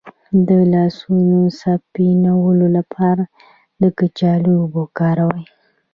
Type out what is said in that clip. د لاسونو د سپینولو لپاره د کچالو اوبه وکاروئ